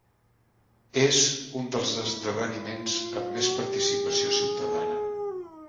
És un dels esdeveniments amb més participació ciutadana.